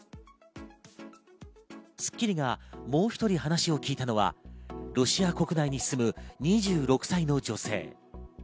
『スッキリ』がもう１人、話を聞いたのはロシア国内に住む２６歳の女性。